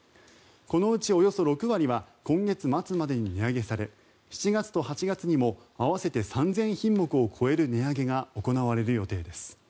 このうちおよそ６割は今月末までに値上げされ７月と８月にも合わせて３０００品目を超える値上げが行われる予定です。